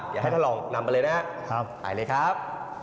อยากให้ท่านรองนำไปเลยนะฮะถ่ายเลยครับครับ